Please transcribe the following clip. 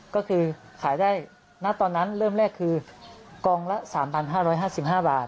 ก็คือขายได้ณตอนนั้นเริ่มแรกคือกองละสามพันห้าร้อยห้าสิบห้าบาท